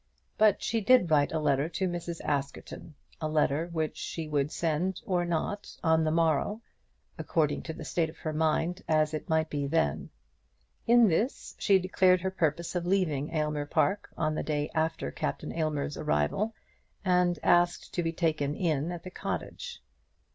But she did write a letter to Mrs. Askerton, a letter which she would send or not on the morrow, according to the state of her mind as it might then be. In this she declared her purpose of leaving Aylmer Park on the day after Captain Aylmer's arrival, and asked to be taken in at the cottage.